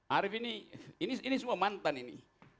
arief ini ini semua mantan ini